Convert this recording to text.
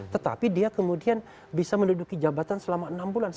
tetapi dia kemudian bisa menduduki jabatan selama enam bulan